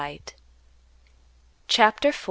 CHAPTER IV.